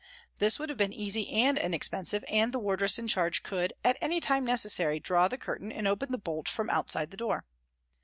This would have been easy and inexpensive, and the wardress in charge could, at any time necessary, draw the curtain and open the bolt from outside the door.